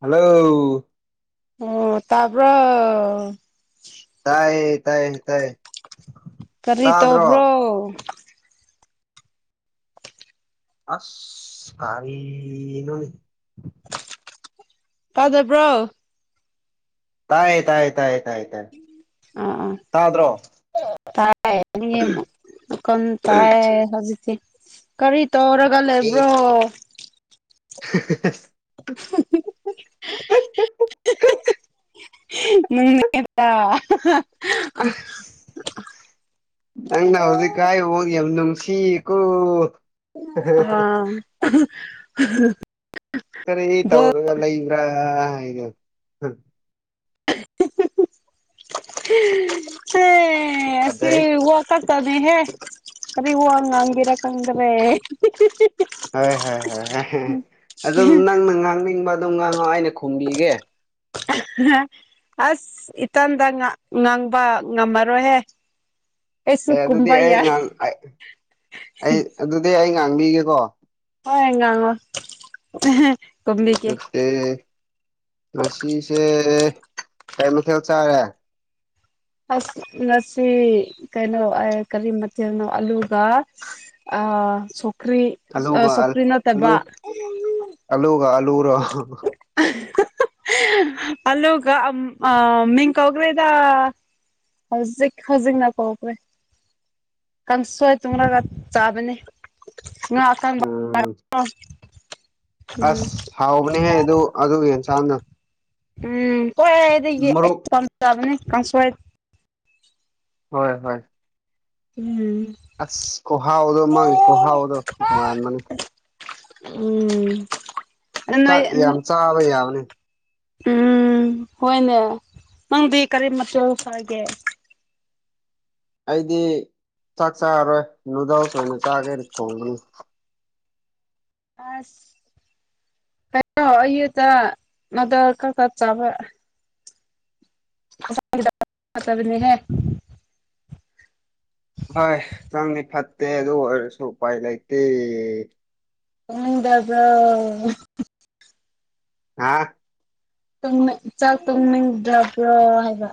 hello ꯑꯣ ꯇꯕꯔ ꯇꯥꯏꯌꯦ ꯇꯥꯏꯌꯦ ꯇꯥꯏꯌꯦ ꯀꯔꯤ ꯇꯧꯕ꯭ꯔꯣ ꯇꯥꯗ꯭ꯔꯣ ꯑꯁ ꯀꯅꯣꯅꯤ ꯄꯥꯖꯕ꯭ꯔꯣ ꯇꯥꯏꯥꯏꯥꯏꯥꯏꯗ꯭ꯔꯣ ꯇ ꯀꯟ ꯇꯥꯏ ꯍꯧꯖꯤꯦ ꯀꯔꯤ ꯇꯧꯔꯒ ꯂꯩꯕ꯭ꯔꯣ ꯑꯦ [inaudible] ꯅꯪꯗ ꯑꯁ ꯅꯪꯅ ꯍꯧꯖꯤꯛꯀꯥꯏꯕꯛ ꯌꯥꯝ ꯅꯨꯡꯁꯤꯌꯦꯀꯣ ꯑꯥ ꯀꯔꯤ ꯇꯧꯔꯒ ꯂꯩꯕ꯭ꯔꯥ ꯍꯥꯏ [unintelligible] ꯑꯁꯤ ꯐꯖꯩ ꯋꯥꯛ ꯇꯠꯇꯥꯔꯤ ꯍꯦ ꯀꯔꯤ ꯋꯥ ꯉꯥꯡꯒꯦꯔꯥ ꯈꯪꯗꯔꯦ ꯍꯣꯏ ꯍꯣꯏ ꯍꯣꯏ ꯍꯦ ꯑꯗꯨꯝ ꯅꯪꯅ ꯉꯥꯡꯅꯤꯡꯕ ꯑꯗꯨꯝ ꯉꯥꯡꯉꯣ ꯑꯩꯅ ꯈꯨꯝꯕꯤꯒꯦ [unintelligible] ꯑꯁ ꯏꯇꯟꯗ ꯉꯥꯡ ꯉꯥꯡꯕ ꯉꯝꯃꯔꯣꯏꯍꯦ ꯑꯩꯁꯨ ꯑꯦ ꯑꯗꯨꯗꯤ ꯀꯨꯝꯕ ꯌꯥꯥꯏ [unintelligible] ꯑꯩ ꯑꯗꯨꯗꯤ ꯑꯩ ꯉꯥꯡꯕꯤꯒꯦꯀꯣ ꯍꯣꯏ ꯉꯥꯡꯉꯣ ꯈꯨꯝꯕꯤꯒꯦ ꯑꯦ ꯉꯁꯤꯁꯦ ꯀꯩ ꯃꯊꯦꯜ ꯆꯥꯔꯦ ꯑꯁ ꯉꯁꯤ ꯀꯩꯅꯣ ꯀꯔꯤ ꯃꯊꯦꯜꯅꯣ ꯑꯜꯂꯨꯒ ꯑ ꯁꯒ꯭ꯔꯤ ꯑ ꯑꯂꯨꯒ ꯁꯒ꯭ꯔꯤ ꯑꯂꯨ ꯅꯠꯇꯕ ꯑꯂꯨꯒ ꯑꯂꯨꯔꯣ ꯑꯂꯨꯒ ꯑ ꯃꯤ ꯀꯥꯎꯒ꯭ꯔꯦꯗ ꯍꯧꯖꯤꯛ ꯈꯥꯖꯤꯡꯅ ꯍꯥꯎꯈ꯭ꯔꯦ ꯀꯥꯡꯁꯣꯏ ꯇꯨꯡꯔꯒ ꯆꯥꯕꯅꯦ ꯉꯥ ꯑꯀꯪꯕ ꯎꯝ [unintelligible] ꯎꯝ ꯑꯁ ꯍꯥꯎꯕꯅꯦꯍꯦ ꯑꯗꯨ ꯑꯗꯨꯒꯤ ꯌꯦꯟꯁꯥꯡꯗꯣ ꯎꯝ ꯃꯔꯨꯞ ꯍꯣꯏ [unintelligible] ꯀꯥꯡꯁꯣꯏ ꯍꯣꯏ ꯍꯣꯏ ꯎꯝ ꯑꯁ ꯈꯨꯍꯥꯎꯗꯣ ꯃꯥꯥꯒꯤ ꯈꯨꯍꯥꯎꯗꯣ ꯇꯣꯉꯥꯟꯕꯅꯤ ꯎꯝ ꯅꯣꯏ ꯆꯥꯛ ꯌꯥꯝ ꯆꯥꯕ ꯌꯥꯕꯅꯤ ꯎꯝ ꯍꯣꯏꯅꯦ ꯅꯪꯗꯤ ꯀꯔꯤ ꯃꯊꯦꯜ ꯆꯥꯒꯦ ꯑꯩꯗꯤ ꯆꯥꯛ ꯆꯥꯔꯔꯣꯏ ꯅꯨꯗꯜꯁ ꯑꯣꯏꯅ ꯆꯥꯒꯦꯅ ꯊꯣꯡꯕꯅꯤ ꯑꯁ ꯀꯩꯅꯣ ꯑꯌꯨꯛꯇꯥ ꯅꯨꯗꯜꯁ ꯈꯔ ꯈꯔ ꯆꯥꯕ ꯍꯛꯆꯥꯡꯗꯤ [unintelligible] ꯐꯠꯇꯥꯕꯅꯤꯍꯦ ꯍꯣꯏ ꯍꯛꯆꯥꯡꯗꯤ ꯐꯠꯇꯦ ꯑꯗꯨ ꯑꯣꯏꯔꯁꯨ ꯎꯄꯥꯏ ꯂꯩꯇꯦ ꯊꯣꯡꯅꯤꯡꯗꯔꯥꯕ꯭ꯔꯣ ꯍꯥ ꯆꯥꯛ ꯊꯣꯡꯅꯤꯡꯗ꯭ꯔꯕ꯭ꯔꯣ ꯍꯥꯏꯕ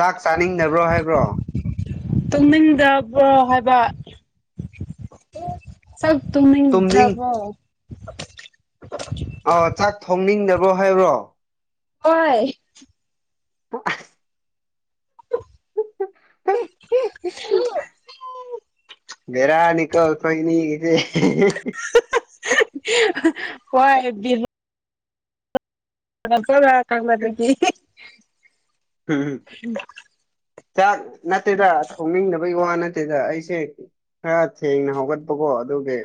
ꯆꯥꯛ ꯆꯥꯅꯤꯡꯗꯕ꯭ꯔꯣ ꯍꯥꯏꯕ꯭ꯔꯣ ꯇꯣꯡꯅꯤꯡꯗꯕ꯭ꯔꯣ ꯍꯥꯏꯕ ꯆꯥꯛ ꯇꯨꯝꯅꯤꯡ ꯊꯣꯡꯅꯤꯡꯗ꯭ꯔꯕ꯭ꯔꯣ ꯑꯣ ꯆꯥꯛ ꯊꯣꯡꯅꯤꯡꯗꯕ꯭ꯔꯣ ꯍꯥꯏꯕ꯭ꯔꯣ ꯍꯣꯏ [unintelligible] [unintelligible] ꯕꯦꯔꯥꯅꯤꯀꯣ ꯑꯩꯈꯣꯏ ꯑꯅꯤꯒꯤꯁꯦ ꯍꯣꯏ [unintelligible] [unintelligible] ꯆꯥꯛ ꯅꯠꯇꯦꯗ ꯊꯣꯡꯅꯤꯡꯗꯕꯒꯤ ꯋꯥ ꯅꯠ ꯇꯦꯗ ꯑꯩꯁꯦ ꯈꯔ ꯊꯦꯡꯅ ꯍꯧꯒꯠꯄꯀꯣ ꯑꯗꯨꯒꯤ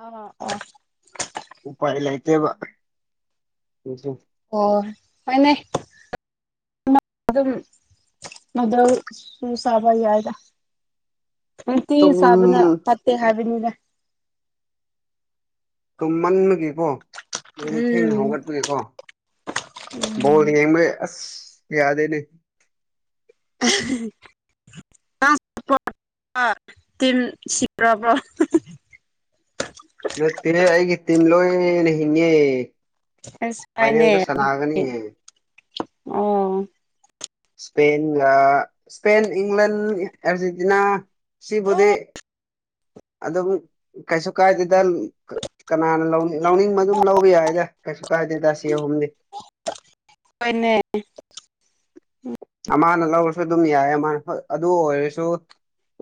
ꯑꯣ ꯑꯣ ꯎꯄꯥꯏ ꯂꯩꯇꯦꯕ ꯑꯗꯨ ꯑꯣ ꯍꯣꯏꯅꯦ ꯑꯗꯨꯝ ꯃꯗꯨ ꯁꯥꯕ ꯌꯥꯏꯗ ꯇꯤ ꯇꯨꯝ ꯁꯥꯕꯅ ꯐꯠꯇꯦ ꯍꯥꯏꯕꯤꯅꯤꯅꯦ ꯇꯨꯝꯃꯟꯕꯒꯤꯦꯀꯣ ꯑꯗꯨꯗꯤ ꯊꯦꯡꯅ ꯎꯝ ꯍꯧꯒꯠꯄꯒꯤꯀꯣ ꯎꯝ ꯣ ꯃ ꯑꯁ ꯌꯥꯗꯦꯅꯦ [unintelligible] ꯄ ꯇꯝ ꯁꯤꯄ꯭ꯔꯕ ꯅꯠꯇꯦ ꯑꯩꯒꯤ ꯇꯤꯝ ꯂꯣꯏꯅ ꯍꯤꯡꯉꯦ ꯑꯁ ꯍꯣꯏꯅꯦ ꯄꯥꯏꯅꯦꯗ ꯁꯅꯥꯒꯅꯤ ꯑꯣ ꯏꯁꯄ ꯁꯄꯦꯟ ꯏꯪꯂꯪꯂꯦꯟ ꯑꯔꯖꯦꯟꯇꯤꯅꯥ ꯁꯤꯕꯨꯗꯤ ꯑꯗꯨꯝ ꯀꯩꯁꯨ ꯀꯥꯏꯗꯦꯗ ꯀꯅꯥꯅ ꯂꯧꯅꯤꯡ ꯂꯧꯅꯤꯡꯕ ꯑꯗꯨꯝ ꯂꯧꯕ ꯌꯥꯏꯗ ꯀꯩꯁꯨ ꯀꯥꯏꯗꯦ ꯗꯁꯤ ꯑꯍꯨꯝꯗꯤ ꯍꯣꯏꯅꯦ ꯑꯃꯅ ꯂꯧꯔꯁꯨ ꯑꯗꯨꯝ ꯌꯥꯏ ꯑꯃꯅ ꯍꯣꯏ ꯑꯗꯨ ꯑꯣꯏꯔꯁꯨ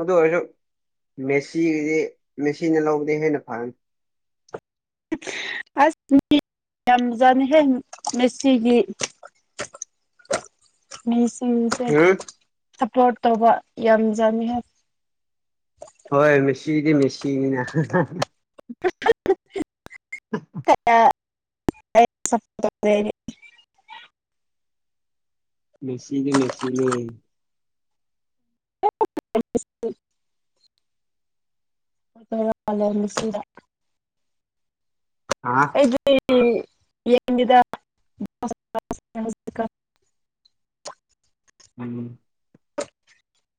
ꯑꯗꯨ ꯑꯣꯏꯔꯁꯨ ꯃꯦꯁꯤꯤꯒꯤꯗꯤ ꯃꯦꯆꯤꯅ ꯂꯧꯕꯗꯤ ꯍꯦꯟꯅ ꯐꯔꯅꯤ ꯑꯁ ꯌꯝꯖꯅ ꯍ ꯃꯦꯁꯤꯒꯤ ꯃꯤꯁꯤꯡꯁꯦ ꯎꯝ ꯁꯞꯄꯣꯔꯠ ꯇꯧꯕ ꯌꯥꯝꯖꯅꯤ ꯍꯣꯏ ꯃꯦꯁꯤꯗꯤ ꯃꯦꯁꯤꯅꯤꯅꯦ [inaudible] [unintelligible] ꯃꯦꯁꯤꯅꯦ ꯃꯦꯁꯤꯅꯦ [unintelligible] [unintelligible] ꯑꯩꯗꯤ ꯌꯦꯡꯗꯨꯗ [unintelligible] ꯎꯝ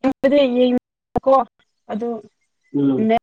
[unintelligible] ꯑꯗꯨ ꯎꯝ ꯅꯦ